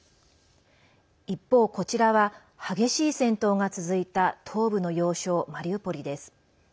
一方こちらは激しい戦闘が続いた東部の要衝マリウポリです。